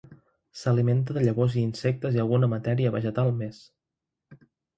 S'alimenta de llavors i insectes i alguna matèria vegetal més.